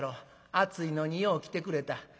暑いのによう来てくれた。